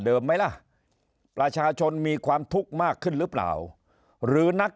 ไหมล่ะประชาชนมีความทุกข์มากขึ้นหรือเปล่าหรือนัก